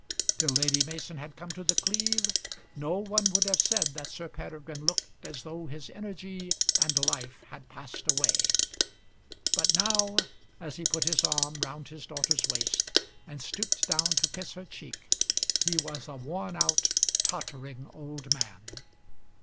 Till Lady Mason had come to The Cleeve no one would have said that Sir Peregrine looked as though his energy and life had passed away. But now, as he put his arm round his daughter's waist, and stooped down to kiss her cheek, he was a worn out, tottering old man.